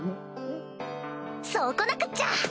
そう来なくっちゃ！